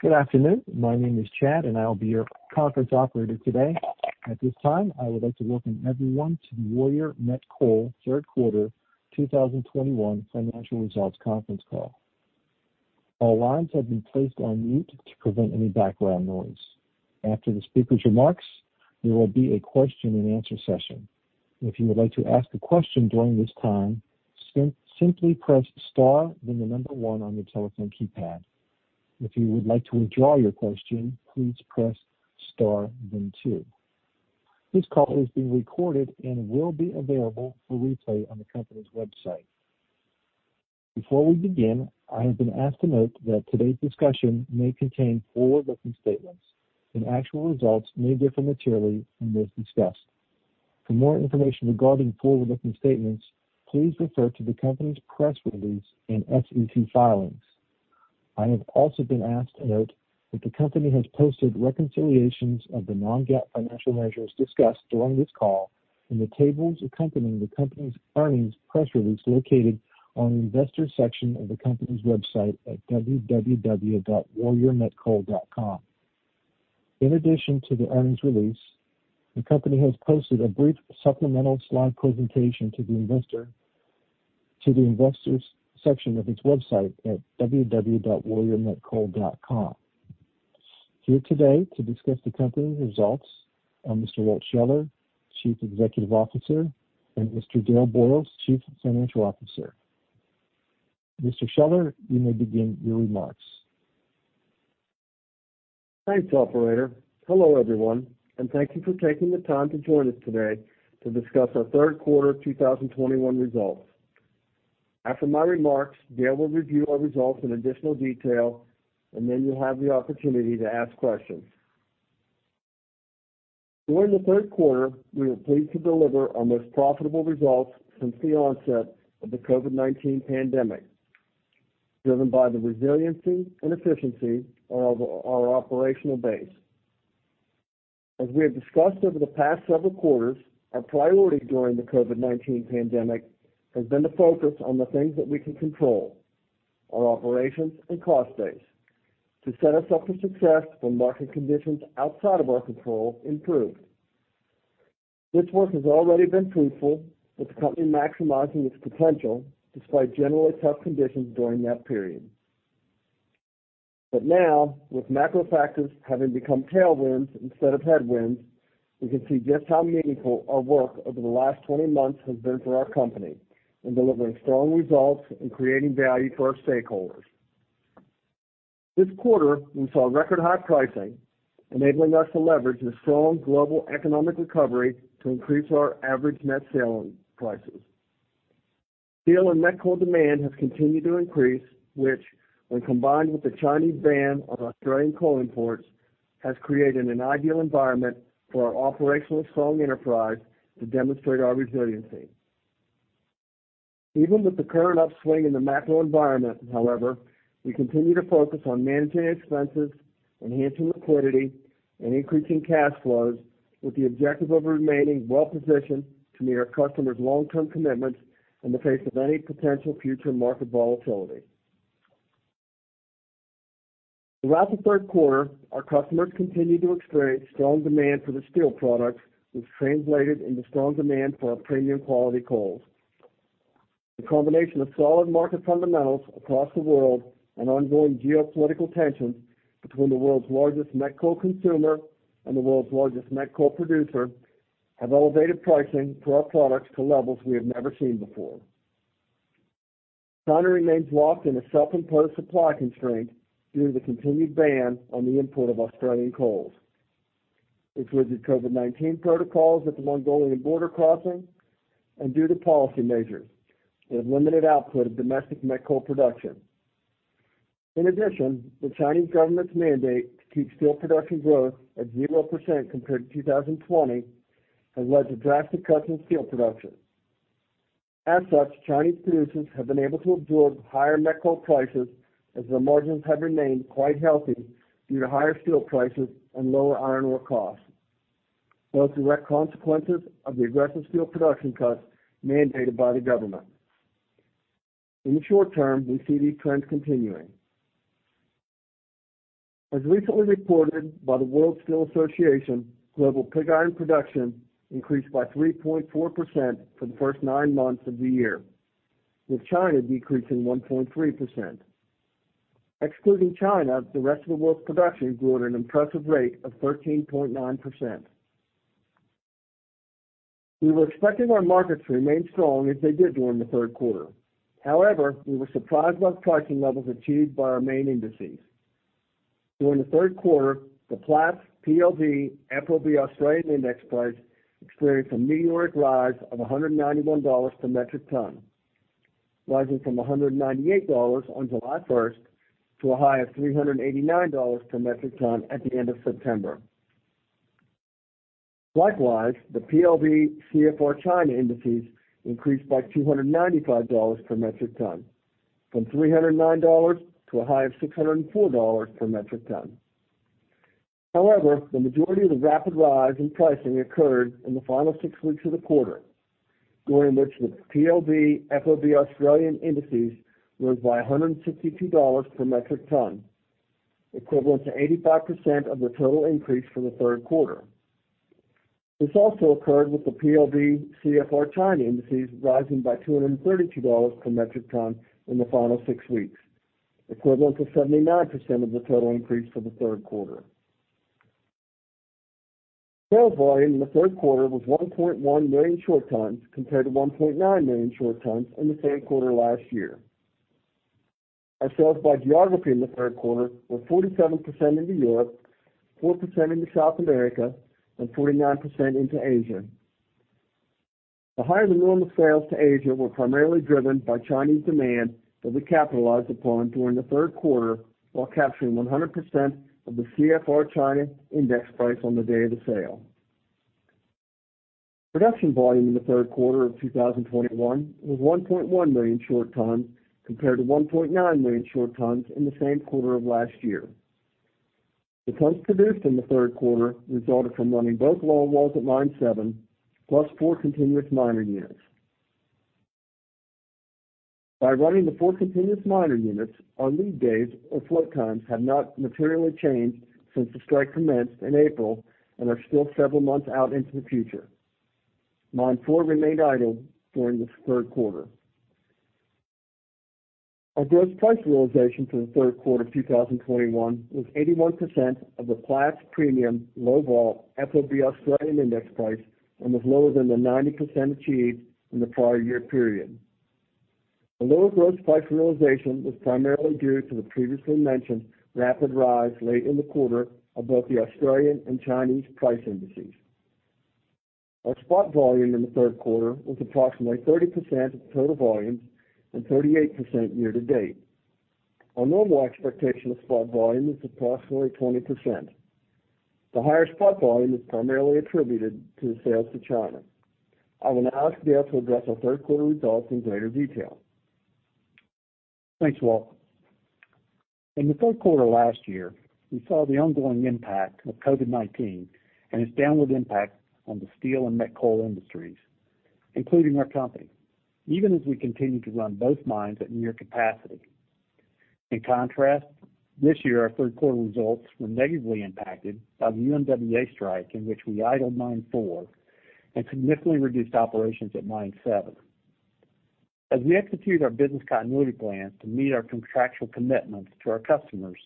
Good afternoon. My name is Chad, and I will be your conference operator today. At this time, I would like to welcome everyone to the Warrior Met Coal Q3 2021 financial results conference call. All lines have been placed on mute to prevent any background noise. After the speaker's remarks, there will be a question-and-answer session. If you would like to ask a question during this time, simply press star then the number one on your telephone keypad. If you would like to withdraw your question, please press star then two. This call is being recorded and will be available for replay on the company's website. Before we begin, I have been asked to note that today's discussion may contain forward-looking statements and actual results may differ materially from those discussed. For more information regarding forward-looking statements, please refer to the company's press release and SEC filings. I have also been asked to note that the company has posted reconciliations of the non-GAAP financial measures discussed during this call in the tables accompanying the company's earnings press release located on the Investors section of the company's website at www.warriormetcoal.com. In addition to the earnings release, the company has posted a brief supplemental slide presentation to the Investors section of its website at www.warriormetcoal.com. Here today to discuss the company results are Mr. Walt Scheller, Chief Executive Officer, and Mr. Dale Boyles, Chief Financial Officer. Mr. Scheller, you may begin your remarks. Thanks, operator. Hello, everyone, and thank you for taking the time to join us today to discuss our Q3 2021 results. After my remarks, Dale will review our results in additional detail, and then you'll have the opportunity to ask questions. During the Q3, we were pleased to deliver our most profitable results since the onset of the COVID-19 pandemic, driven by the resiliency and efficiency of our operational base. As we have discussed over the past several quarters, our priority during the COVID-19 pandemic has been to focus on the things that we can control, our operations and cost base, to set us up for success when market conditions outside of our control improve. This work has already been fruitful, with the company maximizing its potential despite generally tough conditions during that period. Now, with macro factors having become tailwinds instead of headwinds, we can see just how meaningful our work over the last 20 months has been for our company in delivering strong results and creating value for our stakeholders. This quarter, we saw record high pricing, enabling us to leverage the strong global economic recovery to increase our average net selling prices. Steel and met coal demand have continued to increase, which, when combined with the Chinese ban on Australian coal imports, has created an ideal environment for our operationally strong enterprise to demonstrate our resiliency. Even with the current upswing in the macro environment, however, we continue to focus on managing expenses, enhancing liquidity, and increasing cash flows with the objective of remaining well-positioned to meet our customers' long-term commitments in the face of any potential future market volatility. Throughout the Q3, our customers continued to experience strong demand for their steel products, which translated into strong demand for our premium quality coals. The combination of solid market fundamentals across the world and ongoing geopolitical tensions between the world's largest met coal consumer, and the world's largest met coal producer have elevated pricing for our products to levels we have never seen before. China remains locked in a self-imposed supply constraint due to the continued ban on the import of Australian coals, its rigid COVID-19 protocols at the Mongolian border crossing and due to policy measures that have limited output of domestic met coal production. In addition, the Chinese government's mandate to keep steel production growth at 0% compared to 2020 has led to drastic cuts in steel production. As such, Chinese producers have been able to absorb higher met coal prices as their margins have remained quite healthy due to higher steel prices and lower iron ore costs, those direct consequences of the aggressive steel production cuts mandated by the government. In the short term, we see these trends continuing. As recently reported by the World Steel Association, global pig iron production increased by 3.4% for the first nine months of the year, with China decreasing 1.3%. Excluding China, the rest of the world's production grew at an impressive rate of 13.9%. We were expecting our markets to remain strong as they did during the Q3. However, we were surprised by the pricing levels achieved by our main indices. During the Q3, the Platts PLV FOB Australian Index price experienced a meteoric rise of $191 per metric ton, rising from $198 on July 1 to a high of $389 per metric ton at the end of September. Likewise, the PLV CFR China indices increased by $295 per metric ton from $309 to a high of $604 per metric ton. However, the majority of the rapid rise in pricing occurred in the final six weeks of the quarter, during which the PLV FOB Australian indices rose by $162 per metric ton, equivalent to 85% of the total increase for the Q3. This also occurred with the PLV CFR China indices rising by $232 per metric ton in the final six weeks, equivalent to 79% of the total increase for the Q3. Sales volume in the Q3 was 1.1 million short tons compared to 1.9 million short tons in the same quarter last year. Our sales by geography in the Q3 were 47% into Europe, 4% into South America, and 49% into Asia. The higher than normal sales to Asia were primarily driven by Chinese demand that we capitalized upon during the Q3 while capturing 100% of the CFR China index price on the day of the sale. Production volume in the Q3 of 2021 was 1.1 million short tons compared to 1.9 million short tons in the same quarter of last year. The tons produced in the Q3 resulted from running both longwalls at mine 7 plus 4 continuous mining units. By running the 4 continuous mining units, our lead days or float times have not materially changed since the strike commenced in April and are still several months out into the future. Mine 4 remained idle during this Q3. Our gross price realization for the Q3 2021 was 81% of the Platts premium low vol FOB Australian index price and was lower than the 90% achieved in the prior year period. The lower gross price realization was primarily due to the previously mentioned rapid rise late in the quarter of both the Australian and Chinese price indices. Our spot volume in the Q3 was approximately 30% of total volume and 38% year to date. Our normal expectation of spot volume is approximately 20%. The higher spot volume is primarily attributed to the sales to China. I will now ask Dale to address our Q3 results in greater detail. Thanks, Walt. In the Q3 last year, we saw the ongoing impact of COVID-19 and its downward impact on the steel and met coal industries, including our company, even as we continued to run both mines at near capacity. In contrast, this year our Q3 results were negatively impacted by the UMWA strike in which we idled mine 4 and significantly reduced operations at mine 7. As we execute our business continuity plan to meet our contractual commitments to our customers,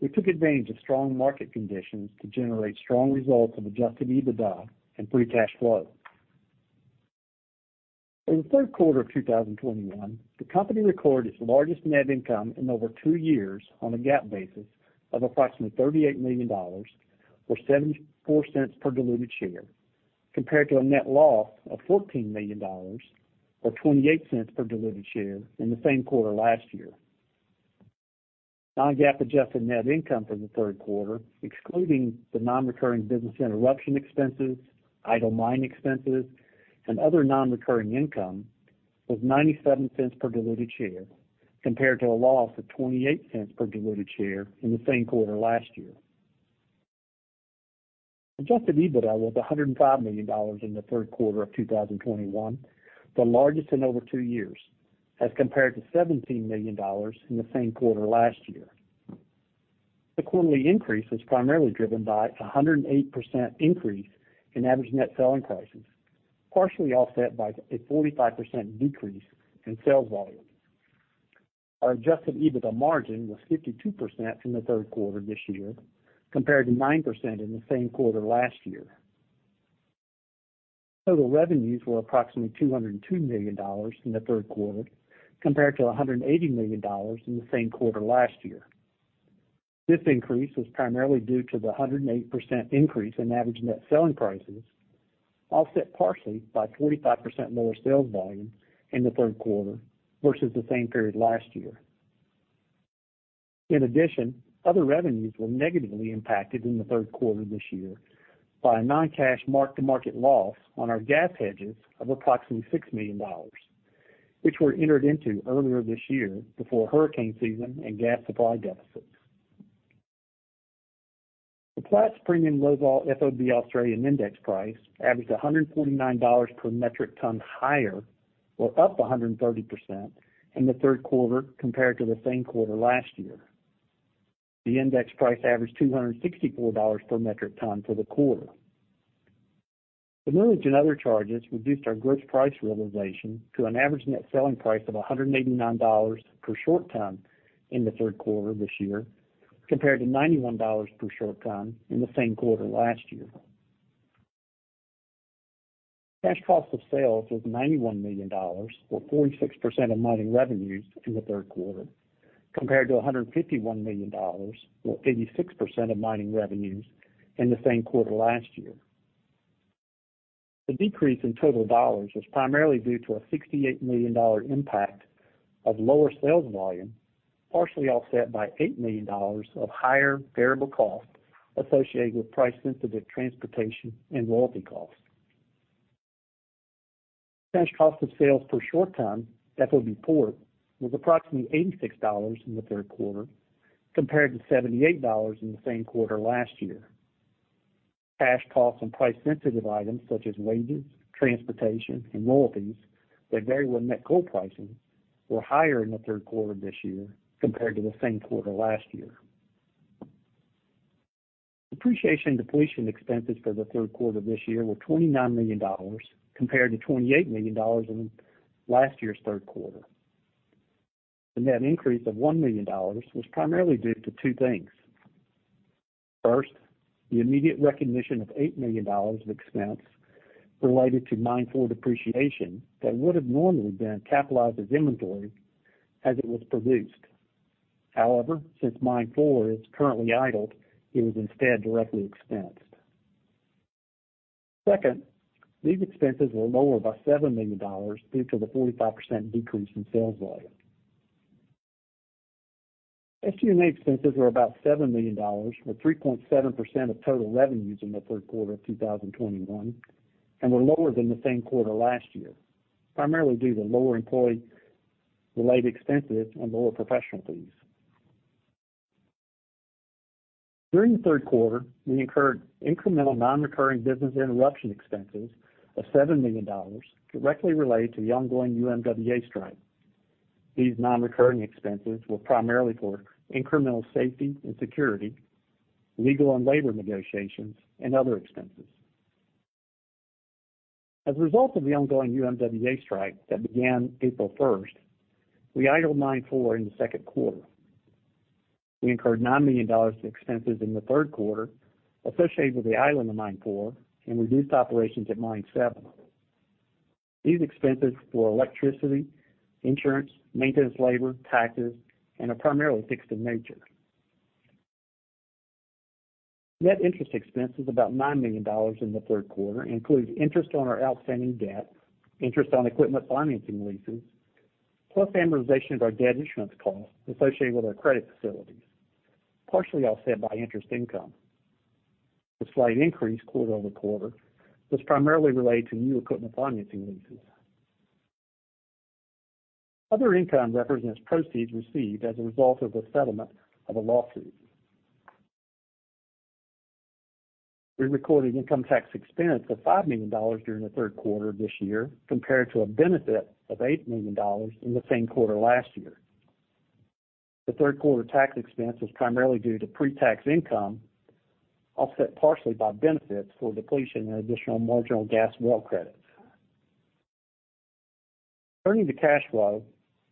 we took advantage of strong market conditions to generate strong results of adjusted EBITDA and free cash flow. In the Q3 of 2021, the company recorded its largest net income in over two years on a GAAP basis of approximately $38 million or $0.74 per diluted share, compared to a net loss of $14 million or $0.28 per diluted share in the same quarter last year. Non-GAAP adjusted net income for the Q3, excluding the non-recurring business interruption expenses, idle mine expenses, and other non-recurring income, was $0.97 per diluted share, compared to a loss of $0.28 per diluted share in the same quarter last year. Adjusted EBITDA was $105 million in the Q3 of 2021, the largest in over two years as compared to $17 million in the same quarter last year. The quarterly increase was primarily driven by a 108% increase in average net selling prices, partially offset by a 45% decrease in sales volume. Our adjusted EBITDA margin was 52% in the Q3 this year, compared to 9% in the same quarter last year. Total revenues were approximately $202 million in the Q3, compared to $180 million in the same quarter last year. This increase was primarily due to the 108% increase in average net selling prices, offset partially by 45% lower sales volume in the Q3 versus the same period last year. In addition, other revenues were negatively impacted in the Q3 this year by a non-cash mark-to-market loss on our gas hedges of approximately $6 million, which were entered into earlier this year before hurricane season and gas supply deficits. The Platts premium low vol FOB Australian index price averaged $129 per metric ton higher or up 130% in the Q3 compared to the same quarter last year. The index price averaged $264 per metric ton for the quarter. The milling and other charges reduced our gross price realization to an average net selling price of $189 per short ton in the Q3 this year, compared to $91 per short ton in the same quarter last year. Cash cost of sales was $91 million or 46% of mining revenues in the Q3, compared to $151 million or 86% of mining revenues in the same quarter last year. The decrease in total dollars was primarily due to a $68 million impact of lower sales volume, partially offset by $8 million of higher variable costs associated with price-sensitive transportation and royalty costs. Cash cost of sales per short ton, FOB port, was approximately $86 in the Q3 compared to $78 in the same quarter last year. Cash costs on price-sensitive items such as wages, transportation, and royalties that vary with net coal pricing were higher in the Q3 of this year compared to the same quarter last year. Depreciation and depletion expenses for the Q3 of this year were $29 million compared to $28 million in last year's Q3. The net increase of $1 million was primarily due to two things. First, the immediate recognition of $8 million of expense related to mine 4 depreciation that would have normally been capitalized as inventory as it was produced. However, since mine 4 is currently idled, it was instead directly expensed. Second, these expenses were lower by $7 million due to the 45% decrease in sales volume. SG&A expenses were about $7 million or 3.7% of total revenues in the Q3 of 2021 and were lower than the same quarter last year, primarily due to lower employee-related expenses and lower professional fees. During the Q3, we incurred incremental non-recurring business interruption expenses of $7 million directly related to the ongoing UMWA strike. These non-recurring expenses were primarily for incremental safety and security, legal and labor negotiations, and other expenses. As a result of the ongoing UMWA strike that began 1 April, we idled Mine 4 in the Q2. We incurred $9 million in expenses in the Q3 associated with the idling of Mine 4 and reduced operations at Mine 7. These expenses were electricity, insurance, maintenance labor, taxes, and are primarily fixed in nature. Net interest expense was about $9 million in the Q3, includes interest on our outstanding debt, interest on equipment financing leases, plus amortization of our debt issuance costs associated with our credit facilities, partially offset by interest income. The slight increase quarter over quarter was primarily related to new equipment financing leases. Other income represents proceeds received as a result of the settlement of a lawsuit. We recorded income tax expense of $5 million during the Q3 of this year compared to a benefit of $8 million in the same quarter last year. The Q3 tax expense was primarily due to pre-tax income, offset partially by benefits for depletion and additional marginal gas well credits. Turning to cash flow,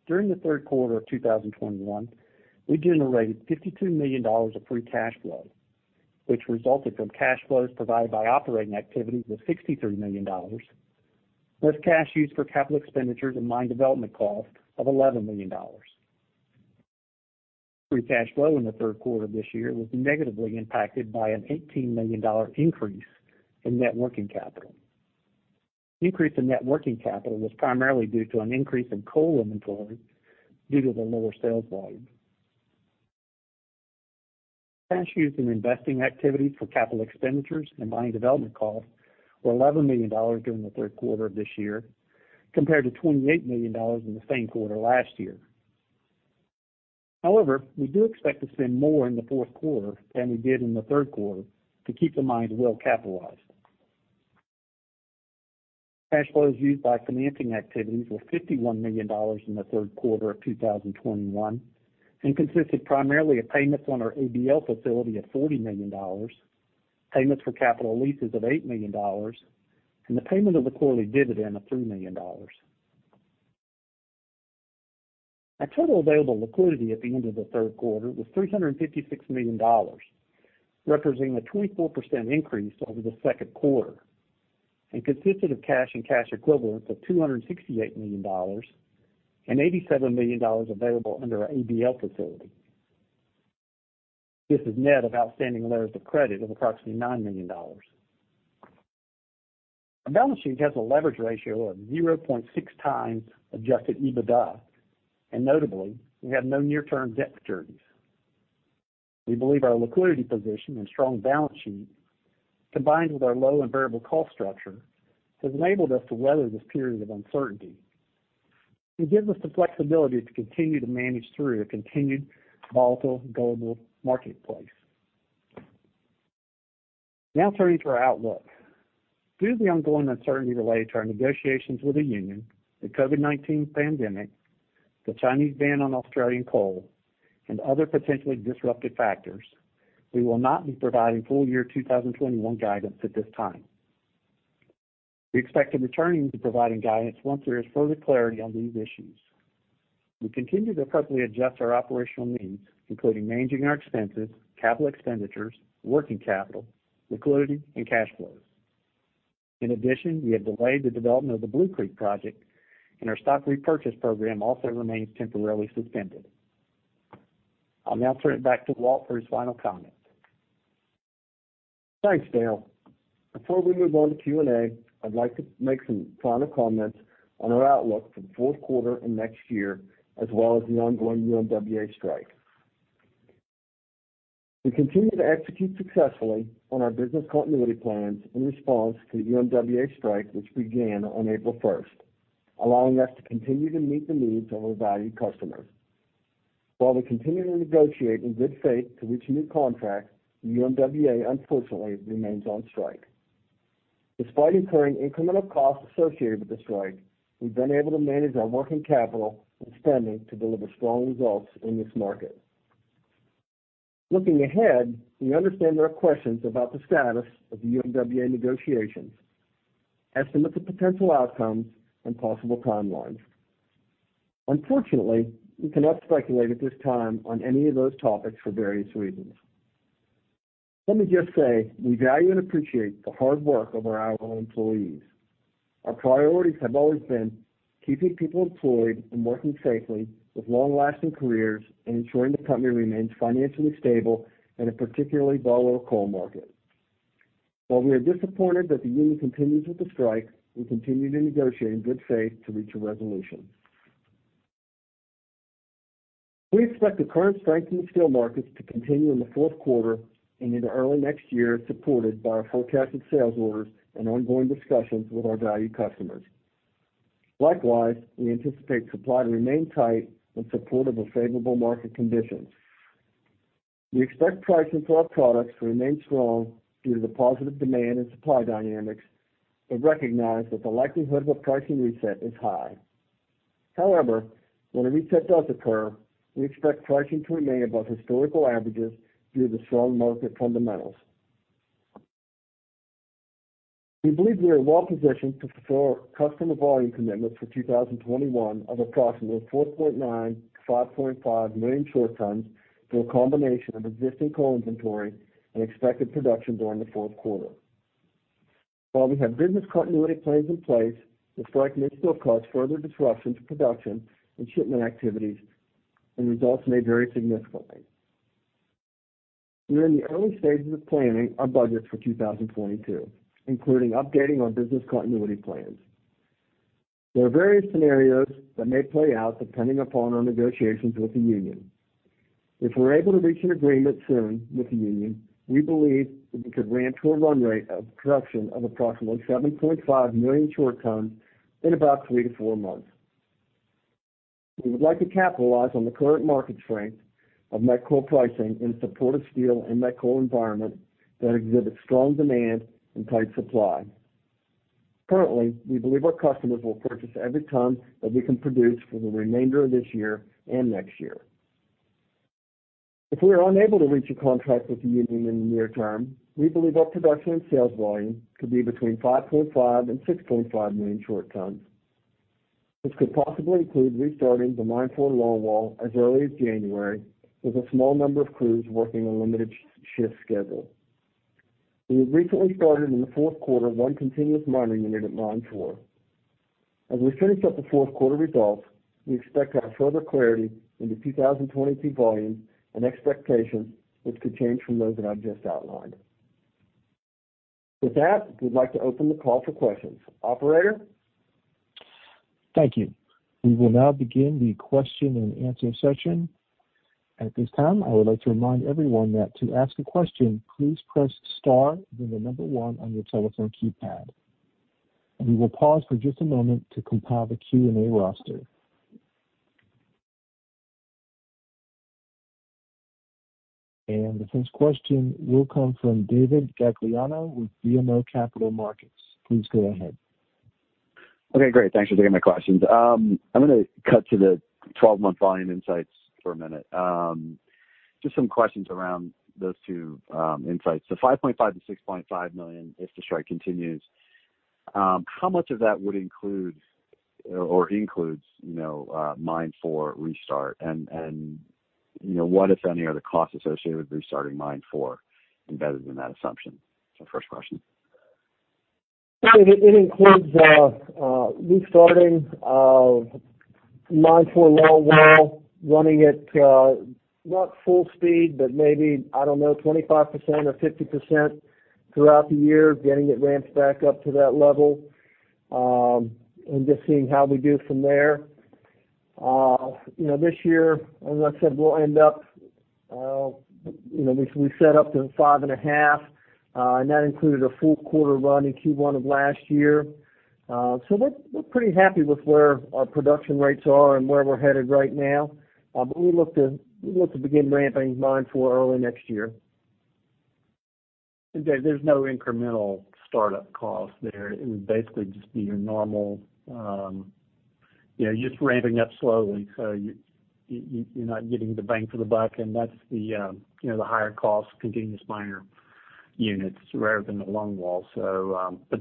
during the Q3 of 2021, we generated $52 million of free cash flow, which resulted from cash flows provided by operating activities of $63 million, less cash used for capital expenditures and mine development costs of $11 million. Free cash flow in the Q3 of this year was negatively impacted by a $18 million increase in net working capital. The increase in net working capital was primarily due to an increase in coal inventory due to the lower sales volume. Cash used in investing activity for capital expenditures and mine development costs were $11 million during the Q3 of this year compared to $28 million in the same quarter last year. However, we do expect to spend more in the Q4 than we did in the Q3 to keep the mines well capitalized. Cash flows used by financing activities were $51 million in the Q3 of 2021 and consisted primarily of payments on our ABL facility of $40 million, payments for capital leases of $8 million, and the payment of a quarterly dividend of $3 million. Our total available liquidity at the end of the Q3 was $356 million, representing a 24% increase over the Q2 and consisted of cash and cash equivalents of $268 million and $87 million available under our ABL facility. This is net of outstanding letters of credit of approximately $9 million. Our balance sheet has a leverage ratio of 0.6 times adjusted EBITDA, and notably, we have no near-term debt maturities. We believe our liquidity position and strong balance sheet, combined with our low and variable cost structure, has enabled us to weather this period of uncertainty. It gives us the flexibility to continue to manage through a continued volatile global marketplace. Now turning to our outlook. Due to the ongoing uncertainty related to our negotiations with the union, the COVID-19 pandemic, the Chinese ban on Australian coal, and other potentially disruptive factors, we will not be providing full year 2021 guidance at this time. We expect to return to providing guidance once there is further clarity on these issues. We continue to appropriately adjust our operational needs, including managing our expenses, capital expenditures, working capital, liquidity, and cash flows. In addition, we have delayed the development of the Blue Creek project and our stock repurchase program also remains temporarily suspended. I'll now turn it back to Walt for his final comments. Thanks, Dale. Before we move on to Q&A, I'd like to make some final comments on our outlook for the Q4 and next year as well as the ongoing UMWA strike. We continue to execute successfully on our business continuity plans in response to the UMWA strike, which began on 1 April, allowing us to continue to meet the needs of our valued customers. While we continue to negotiate in good faith to reach a new contract, the UMWA unfortunately remains on strike. Despite incurring incremental costs associated with the strike, we've been able to manage our working capital and spending to deliver strong results in this market. Looking ahead, we understand there are questions about the status of the UMWA negotiations, estimates of potential outcomes and possible timelines. Unfortunately, we cannot speculate at this time on any of those topics for various reasons. Let me just say, we value and appreciate the hard work of our hourly employees. Our priorities have always been keeping people employed and working safely with long-lasting careers and ensuring the company remains financially stable in a particularly volatile coal market. While we are disappointed that the union continues with the strike, we continue to negotiate in good faith to reach a resolution. We expect the current strength in the steel markets to continue in the Q4 and into early next year, supported by our forecasted sales orders and ongoing discussions with our valued customers. Likewise, we anticipate supply to remain tight in support of a favorable market conditions. We expect pricing for our products to remain strong due to the positive demand and supply dynamics, but recognize that the likelihood of a pricing reset is high. However, when a reset does occur, we expect pricing to remain above historical averages due to the strong market fundamentals. We believe we are well positioned to fulfill customer volume commitments for 2021 of approximately 4.9-5.5 million short tons through a combination of existing coal inventory and expected production during the Q4. While we have business continuity plans in place, the strike may still cause further disruption to production and shipment activities and results may vary significantly. We are in the early stages of planning our budget for 2022, including updating our business continuity plans. There are various scenarios that may play out depending upon our negotiations with the union. If we're able to reach an agreement soon with the union, we believe that we could ramp to a run rate of production of approximately 7.5 million short tons in about 3-4 months. We would like to capitalize on the current market strength of met coal pricing in support of steel and met coal environment that exhibits strong demand and tight supply. Currently, we believe our customers will purchase every ton that we can produce for the remainder of this year and next year. If we are unable to reach a contract with the union in the near term, we believe our production and sales volume could be between 5.5-6.5 million short tons. This could possibly include restarting the Mine 4 longwall as early as January, with a small number of crews working a limited shift schedule. We have recently started in the Q4 1 continuous mining unit at Mine 4. As we finish up the Q4 results, we expect to have further clarity into 2022 volumes and expectations which could change from those that I've just outlined. With that, we'd like to open the call for questions. Operator? Thank you. We will now begin the question and answer session. At this time, I would like to remind everyone that to ask a question, please press star then the number one on your telephone keypad. We will pause for just a moment to compile the Q&A roster. The first question will come from David Gagliano with BMO Capital Markets. Please go ahead. Okay, great. Thanks for taking my questions. I'm gonna cut to the 12-month volume insights for a minute. Just some questions around those two insights. 5.5-6.5 million if the strike continues, how much of that would include or includes, you know, Mine 4 restart? And you know, what, if any, are the costs associated with restarting Mine 4 embedded in that assumption? That's my first question. It includes restarting Mine 4 longwall running at not full speed, but maybe, I don't know, 25% or 50% throughout the year, getting it ramped back up to that level, and just seeing how we do from there. You know, this year, as I said, we'll end up, you know, we set up to 5.5. And that included a full quarter run in Q1 of last year. So we're pretty happy with where our production rates are and where we're headed right now. We look to begin ramping Mine 4 early next year. There's no incremental start-up cost there. It would basically just be your normal, you know, just ramping up slowly. You're not getting the bang for the buck, and that's the higher cost of continuous miner units rather than the longwall.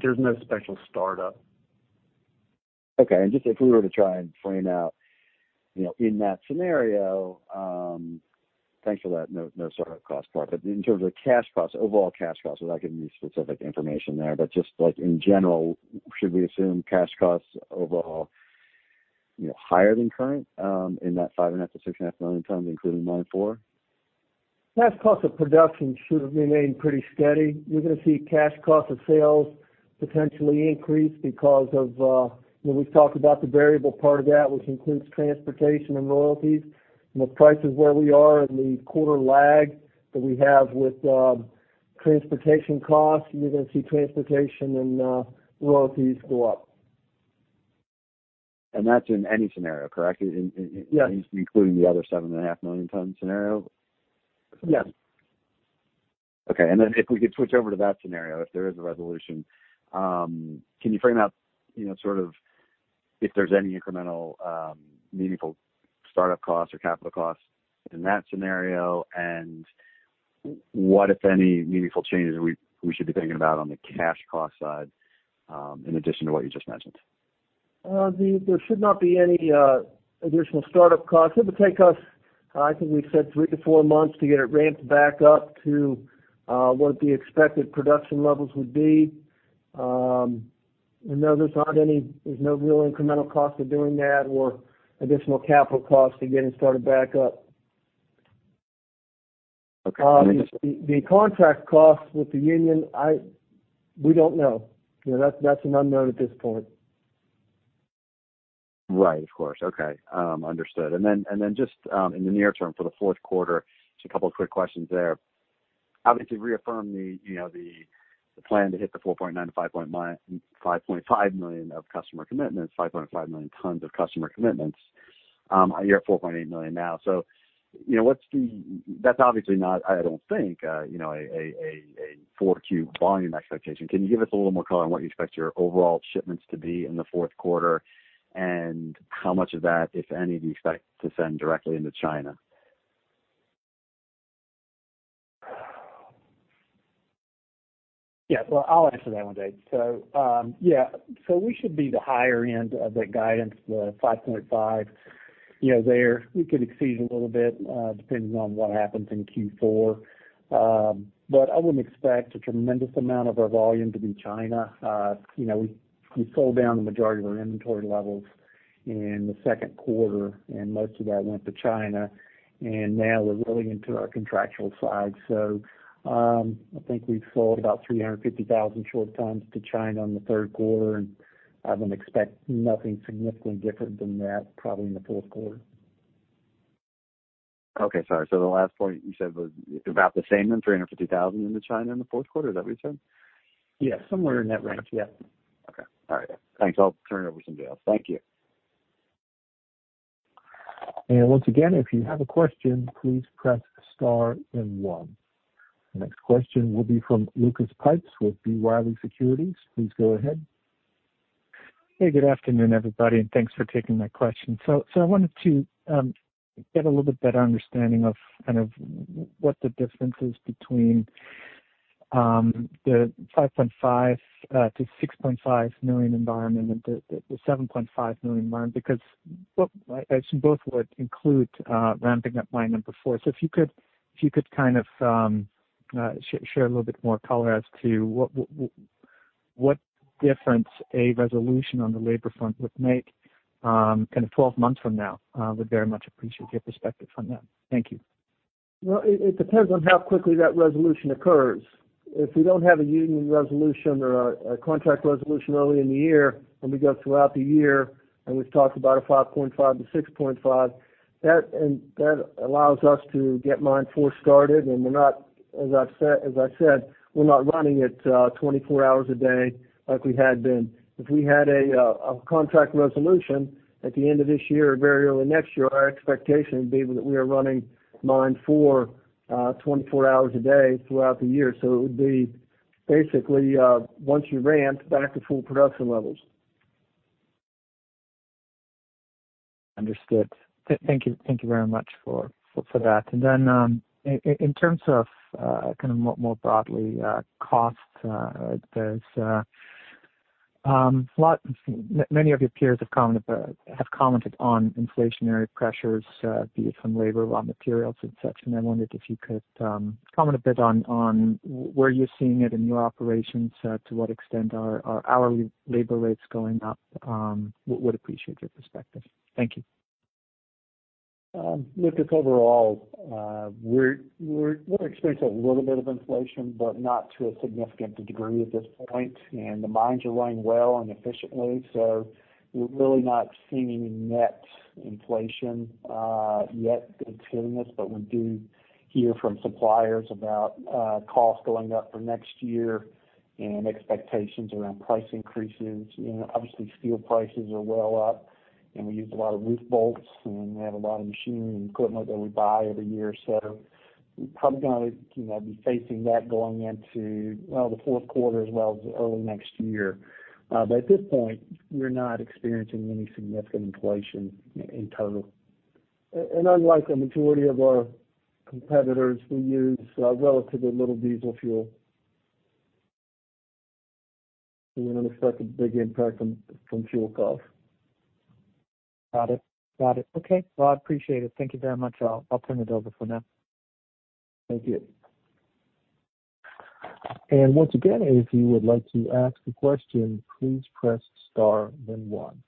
There's no special start up. Okay. Just if we were to try and frame out, you know, in that scenario. Thanks for that. No, no start-up cost part. In terms of cash costs, overall cash costs, without getting into specific information there, but just like in general, should we assume cash costs overall, you know, higher than current, in that 5.5-6.5 million tons, including Mine 4? Cash cost of production should remain pretty steady. You're gonna see cash cost of sales potentially increase because of when we've talked about the variable part of that, which includes transportation and royalties and the prices where we are in the quarter lag that we have with transportation costs. You're gonna see transportation and royalties go up. That's in any scenario, correctly? Yes. Including the other 7.5 million-ton scenario? Yes. Okay. If we could switch over to that scenario, if there is a resolution, can you frame out, you know, sort of if there's any incremental, meaningful startup costs or capital costs in that scenario, and what, if any, meaningful changes we should be thinking about on the cash cost side, in addition to what you just mentioned? There should not be any additional start-up costs. It would take us, I think we said 3-4 months to get it ramped back up to what the expected production levels would be. No, there's no real incremental cost of doing that or additional capital costs to get it started back up. Okay. The contract costs with the union, we don't know. You know, that's an unknown at this point. Right. Of course. Okay. Understood. In the near term for the Q4, just a couple of quick questions there. Obviously, reaffirm you know, the plan to hit the 4.9-5.5 million of customer commitments, 5.5 million tons of customer commitments. You're at 4.8 million now. So, you know, that's obviously not, I don't think, you know, a Q4 volume expectation. Can you give us a little more color on what you expect your overall shipments to be in the Q4? And how much of that, if any, do you expect to send directly into China? Yeah. Well, I'll answer that one, David. We should be the higher end of that guidance, the 5.5. You know, there, we could exceed a little bit, depending on what happens in Q4. I wouldn't expect a tremendous amount of our volume to be China. You know, we sold down the majority of our inventory levels in the Q2, and most of that went to China. Now we're really into our contractual side. I think we've sold about 350,000 short tons to China in the Q3, and I wouldn't expect nothing significantly different than that, probably in the Q4. Okay. Sorry. The last point you said was about the same, then, 350,000 into China in the Q4? Is that what you said? Yeah, somewhere in that range. Yeah. Okay. All right. Thanks. I'll turn it over to somebody else. Thank you. Once again, if you have a question, please press star then one. The next question will be from Lucas Pipes with B. Riley Securities. Please go ahead. Hey, good afternoon, everybody, and thanks for taking my question. I wanted to get a little bit better understanding of kind of what the difference is between the 5.5-6.5 million environment and the 7.5 million environment, because as both would include ramping up mine 4. If you could kind of share a little bit more color as to what difference a resolution on the labor front would make kind of 12 months from now. I would very much appreciate your perspective on that. Thank you. Well, it depends on how quickly that resolution occurs. If we don't have a union resolution or a contract resolution early in the year, when we go throughout the year, and we've talked about a 5.5-6.5, that allows us to get Mine 4 started. We're not, as I've said, running it 24 hours a day like we had been. If we had a contract resolution at the end of this year or very early next year, our expectation would be that we are running Mine 4 24 hours a day throughout the year. It would be basically once you ramp back to full production levels. Understood. Thank you. Thank you very much for that. In terms of kind of more broadly cost, there's many of your peers have commented on inflationary pressures, be it from labor or on materials and such. I wondered if you could comment a bit on where you're seeing it in your operations, to what extent are hourly labor rates going up? Would appreciate your perspective. Thank you. Lucas, overall, we're experiencing a little bit of inflation, but not to a significant degree at this point. The mines are running well and efficiently, so we're really not seeing any net inflation, yet hitting us. We do hear from suppliers about, costs going up for next year and expectations around price increases. You know, obviously, steel prices are well up, and we use a lot of roof bolts, and we have a lot of machinery and equipment that we buy every year. We're probably gonna, you know, be facing that going into, well, the Q4 as well as early next year. At this point, we're not experiencing any significant inflation in total. Unlike the majority of our competitors, we use, relatively little diesel fuel. We wouldn't expect a big impact from fuel costs. Got it. Okay. Well, I appreciate it. Thank you very much. I'll turn it over for now. Thank you. Once again, if you would like to ask a question, please press star, then 1.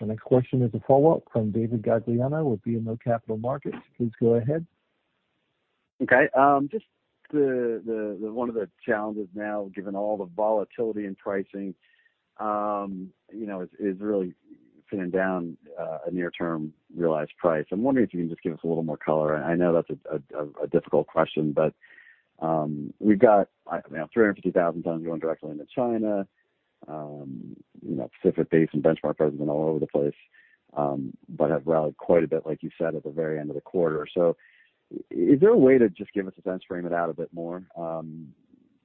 The next question is a follow-up from David Gagliano with BMO Capital Markets. Please go ahead. Okay. Just one of the challenges now, given all the volatility in pricing, is really pinning down a near term realized price. I'm wondering if you can just give us a little more color. I know that's a difficult question, but we've got 350,000 tons going directly into China. Pacific Basin benchmark prices have been all over the place, but have rallied quite a bit, like you said, at the very end of the quarter. Is there a way to just give us a sense, frame it out a bit more,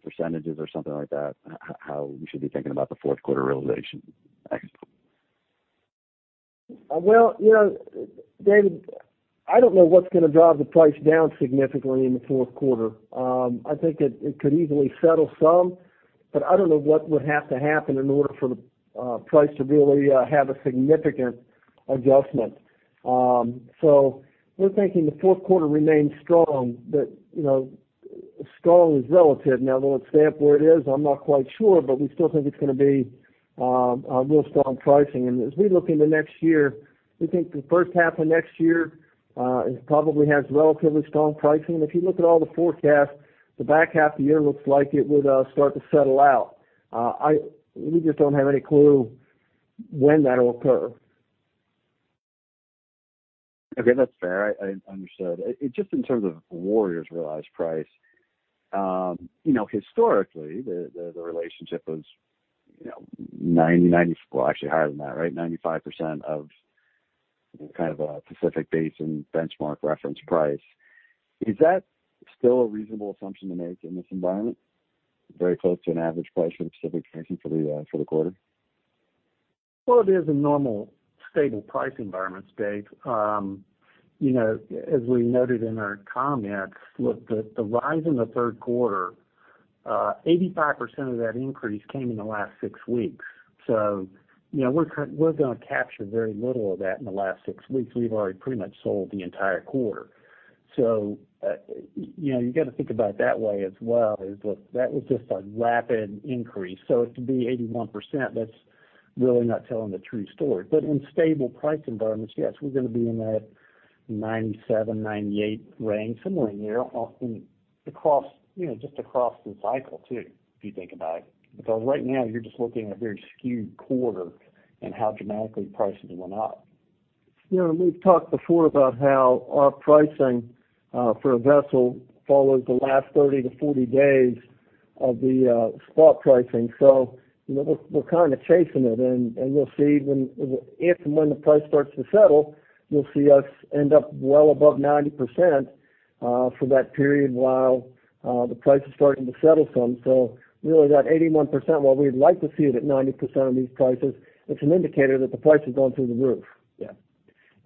percentages or something like that, how we should be thinking about the Q4 realization? Thanks. Well, you know, David, I don't know what's gonna drive the price down significantly in the Q4. I think it could easily settle some, but I don't know what would have to happen in order for the price to really have a significant adjustment. We're thinking the Q4 remains strong, but, you know, strong is relative. Now, will it stay up where it is? I'm not quite sure, but we still think it's gonna be a real strong pricing. As we look into next year, we think the H1 of next year probably has relatively strong pricing. If you look at all the forecasts, the back half of the year looks like it would start to settle out. We just don't have any clue when that'll occur. Okay, that's fair. I understood. Just in terms of Warrior's realized price, you know, historically, the relationship was, you know, well, actually higher than that, right? 95% of kind of a Pacific Basin benchmark reference price. Is that still a reasonable assumption to make in this environment, very close to an average price for the Pacific Basin for the quarter? Well, it is a normal state of price environment, Dave. You know, as we noted in our comments, look, the rise in the Q3, 85% of that increase came in the last six weeks. You know, we're gonna capture very little of that in the last six weeks. We've already pretty much sold the entire quarter. You know, you got to think about it that way as well. That was just a rapid increase. To be 81%, that's really not telling the true story. In stable price environments, yes, we're gonna be in that 97, 98 range, similar year, often across, you know, just across the cycle too, if you think about it. Because right now you're just looking at a very skewed quarter and how dramatically prices went up. You know, we've talked before about how our pricing for a vessel follows the last 30-40 days of the spot pricing. You know, we're kind of chasing it and we'll see if and when the price starts to settle, you'll see us end up well above 90% for that period while the price is starting to settle some. Really that 81%, while we'd like to see it at 90% on these prices, it's an indicator that the price has gone through the roof. Yeah.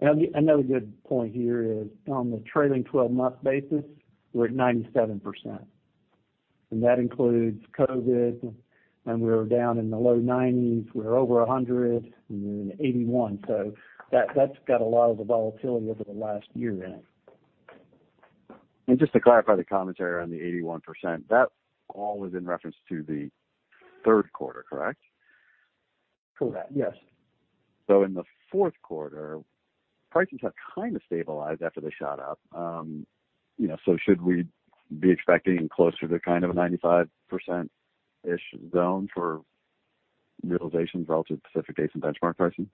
Another good point here is on the trailing twelve month basis, we're at 97%, and that includes COVID when we were down in the low 90s. We were over 100 and then 81. That's got a lot of the volatility over the last year in it. Just to clarify the commentary on the 81%, that all is in reference to the Q3, correct? Correct. Yes. In the Q4, prices have kind of stabilized after they shot up. You know, should we be expecting closer to kind of a 95%-ish zone for realization relative to Pacific Basin benchmark pricing?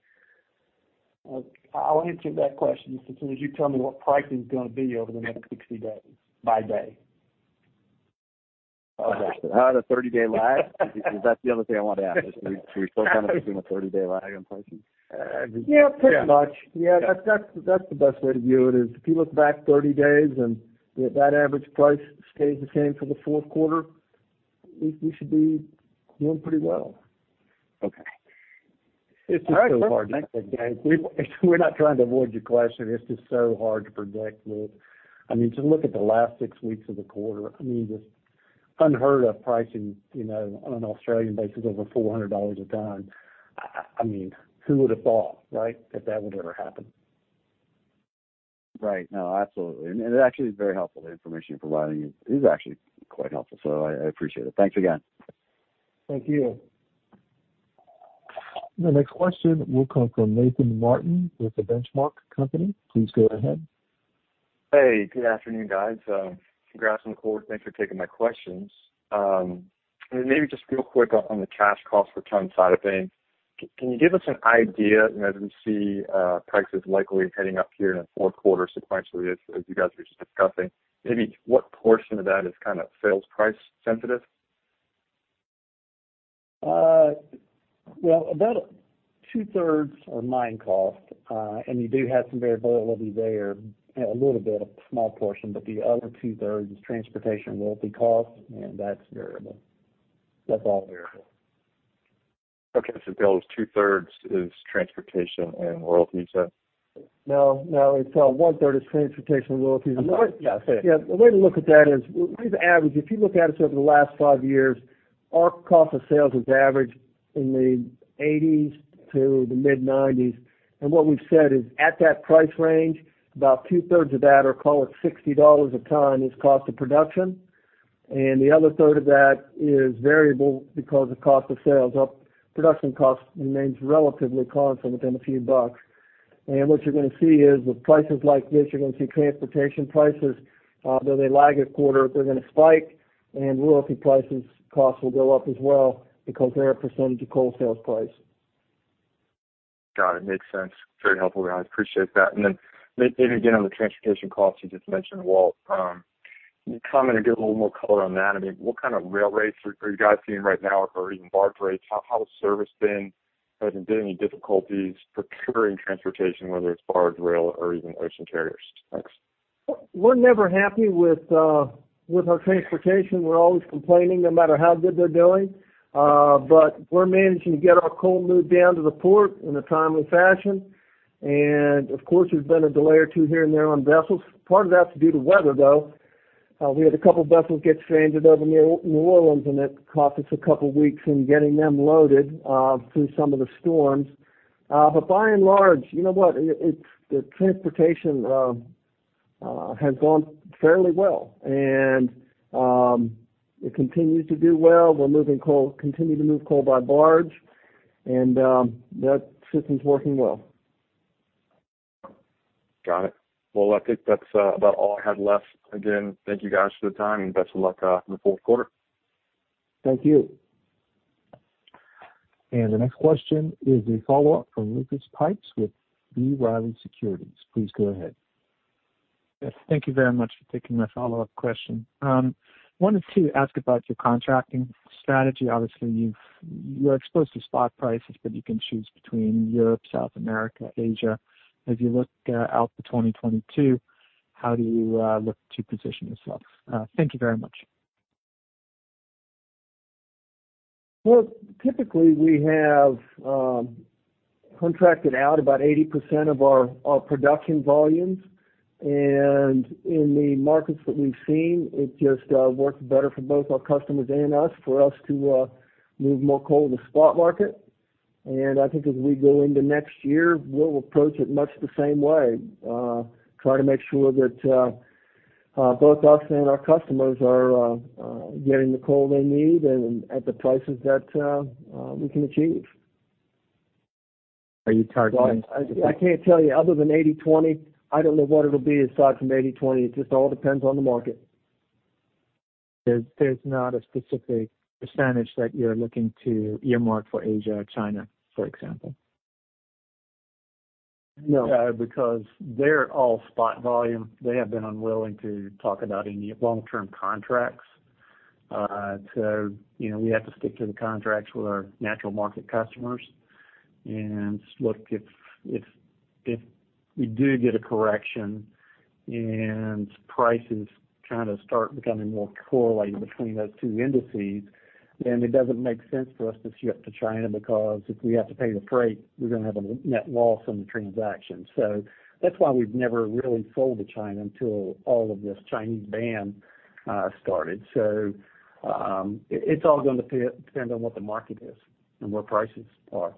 I'll answer that question as soon as you tell me what pricing is gonna be over the next 60 days by day. Okay. How about the 30-day lag? Because that's the other thing I wanted to ask is, are we still kind of seeing a 30-day lag on pricing? Yeah, pretty much. Yeah. Yeah, that's the best way to view it. If you look back 30 days and if that average price stays the same for the Q4, we should be doing pretty well. Okay. All right. It's just so hard to project, Dave. We're not trying to avoid your question. It's just so hard to project, Luke. I mean, just look at the last six weeks of the quarter. I mean, just unheard of pricing, you know, on an Australian basis over $400 a ton. I mean, who would have thought, right, that that would ever happen? Right. No, absolutely. It actually is very helpful. The information you're providing is actually quite helpful. I appreciate it. Thanks again. Thank you. The next question will come from Nathan Martin with The Benchmark Company. Please go ahead. Hey, good afternoon, guys. Congrats on the quarter. Thanks for taking my questions. Maybe just real quick on the cash cost per ton side of things. Can you give us an idea, you know, as we see prices likely heading up here in the Q4 sequentially as you guys were just discussing, maybe what portion of that is kind of sales price sensitive? Well, about two-thirds are mine cost, and you do have some variability there, a little bit, a small portion, but the other two-thirds is transportation, royalty cost, and that's variable. That's all variable. Okay. Walt, two-thirds is transportation and royalty fee? No, it's one-third is transportation and royalty. I'm sorry. Yeah, say it. Yeah. The way to look at that is we've averaged. If you look at us over the last five years, our cost of sales has averaged in the $80s to the mid-$90s. What we've said is, at that price range, about two-thirds of that, or call it $60 a ton, is cost of production. The other third of that is variable because of cost of sales. Our production cost remains relatively constant within a few bucks. What you're gonna see is with prices like this, you're gonna see transportation prices, though they lag a quarter, they're gonna spike and royalty prices costs will go up as well because they're a percentage of coal sales price. Got it. Makes sense. Very helpful. I appreciate that. Maybe again, on the transportation costs you just mentioned, Walt, can you comment and give a little more color on that? I mean, what kind of rail rates are you guys seeing right now or even barge rates? How has service been? Have you had any difficulties procuring transportation, whether it's barge, rail or even ocean carriers? Thanks. We're never happy with our transportation. We're always complaining no matter how good they're doing. We're managing to get our coal moved down to the port in a timely fashion. Of course, there's been a delay or two here and there on vessels. Part of that's due to weather, though. We had a couple of vessels get stranded over near New Orleans, and it cost us a couple of weeks in getting them loaded through some of the storms. By and large, you know what? It's the transportation has gone fairly well. It continues to do well. We continue to move coal by barge and that system's working well. Got it. Well, I think that's about all I had left. Again, thank you guys for the time, and best of luck in the Q4. Thank you. The next question is a follow-up from Lucas Pipes with B. Riley Securities. Please go ahead. Yes. Thank you very much for taking my follow-up question. Wanted to ask about your contracting strategy. Obviously, you are exposed to spot prices, but you can choose between Europe, South America, Asia. As you look out to 2022, how do you look to position yourself? Thank you very much. Well, typically we have contracted out about 80% of our production volumes. In the markets that we've seen, it just works better for both our customers and us, for us to move more coal in the spot market. I think as we go into next year, we'll approach it much the same way. Try to make sure that both us and our customers are getting the coal they need and at the prices that we can achieve. Are you targeting? I can't tell you other than 80/20. I don't know what it'll be aside from 80/20. It just all depends on the market. There's not a specific percentage that you're looking to earmark for Asia or China, for example? No. Because they're all spot volume. They have been unwilling to talk about any long-term contracts. You know, we have to stick to the contracts with our natural market customers. Look, if we do get a correction and prices kind of start becoming more correlated between those two indices, then it doesn't make sense for us to ship to China because if we have to pay the freight, we're gonna have a net loss on the transaction. That's why we've never really sold to China until all of this Chinese ban started. It's all gonna depend on what the market is and where prices are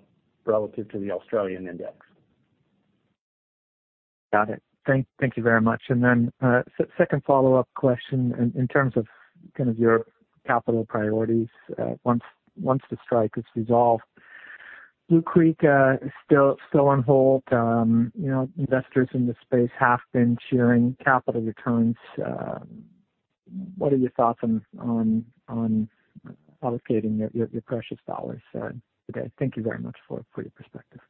relative to the Australian index. Got it. Thank you very much. Then, second follow-up question in terms of kind of your capital priorities, once the strike is resolved. Blue Creek is still on hold. You know, investors in this space have been cheering capital returns. What are your thoughts on allocating your precious dollars today? Thank you very much for your perspective.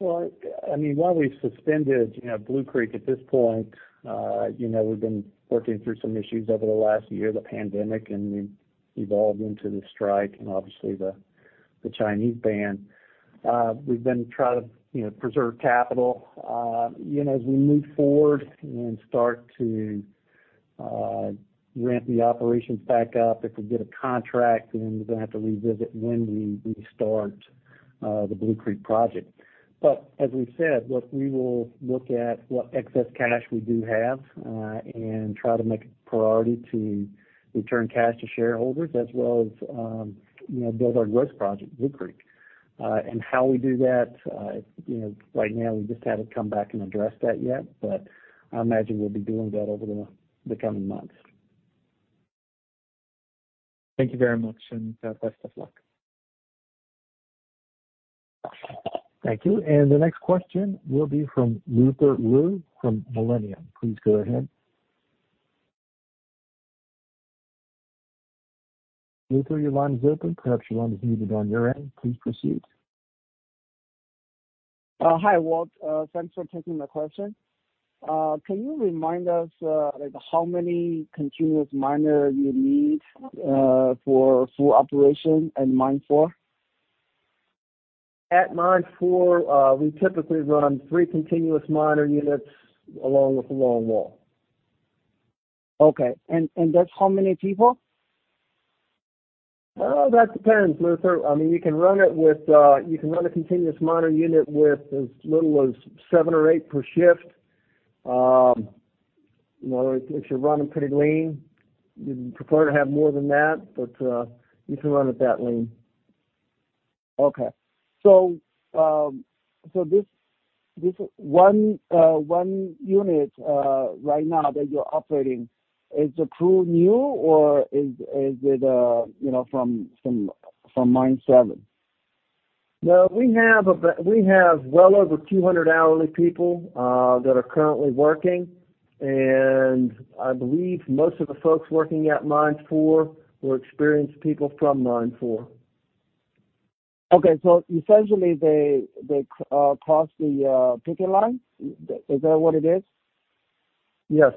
Well, I mean, while we've suspended, you know, Blue Creek at this point, you know, we've been working through some issues over the last year, the pandemic, and we evolved into the strike and obviously the Chinese ban. We've been trying to, you know, preserve capital. You know, as we move forward and start to ramp the operations back up, if we get a contract, then we're gonna have to revisit when we restart the Blue Creek project. As we've said, look, we will look at what excess cash we do have and try to make it a priority to return cash to shareholders as well as, you know, build our growth project, Blue Creek. How we do that, you know, right now we just haven't come back and addressed that yet, but I imagine we'll be doing that over the coming months. Thank you very much, and best of luck. Thank you. The next question will be from Lucas Xu from Millennium. Please go ahead. LucaS, your line is open. Perhaps your line is muted on your end. Please proceed. Hi, Walt. Thanks for taking my question. Can you remind us, like how many continuous miner you need for full operation in mine 4? At Mine 4, we typically run 3 continuous miner units along with the longwall. Okay. That's how many people? That depends, Lucas. I mean, you can run a continuous miner unit with as little as 7 or 8 per shift. You know, if you're running pretty lean, you'd prefer to have more than that, but you can run it that lean. Okay. This one unit right now that you're operating, is the crew new or is it, you know, from Mine 7? No, we have well over 200 hourly people that are currently working, and I believe most of the folks working at mine four were experienced people from mine four. Okay. Essentially, they cross the picket line. Is that what it is? Yes.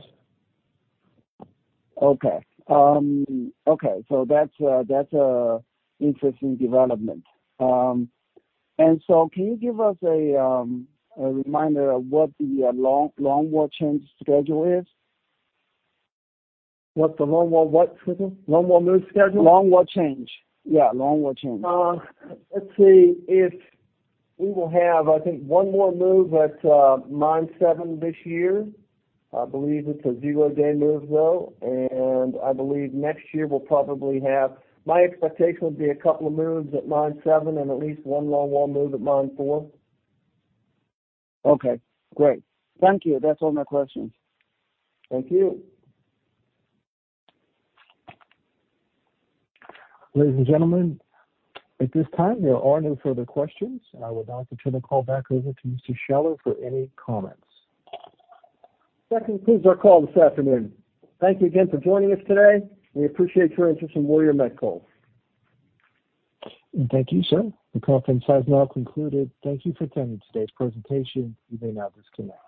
Okay. That's a interesting development. Can you give us a reminder of what the longwall change schedule is? What's the longwall what, Luther? Longwall move schedule? Longwall change. Yeah, longwall change. Let's see. If we will have, I think, one more move at mine seven this year. I believe it's a zero-day move, though. I believe next year we'll probably have my expectation would be a couple of moves at mine seven and at least one longwall move at mine 4. Okay, great. Thank you. That's all my questions. Thank you. Ladies and gentlemen, at this time, there are no further questions. I would now like to turn the call back over to Mr. Scheller for any comments. That concludes our call this afternoon. Thank you again for joining us today. We appreciate your interest in Warrior Met Coal. Thank you, sir. The conference has now concluded. Thank you for attending today's presentation. You may now disconnect.